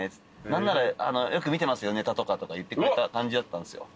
何なら「よく見てますよネタとか」とか言ってくれた感じだったんすよ。